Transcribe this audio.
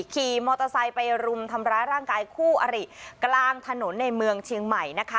ขี่มอเตอร์ไซค์ไปรุมทำร้ายร่างกายคู่อริกลางถนนในเมืองเชียงใหม่นะคะ